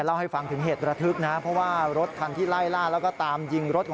อ่อแล้วเขาก็เลยมาดูใช่เขาพยายามจะยิงต่อ